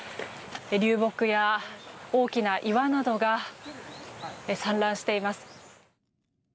流木や大きな岩などが散乱しています。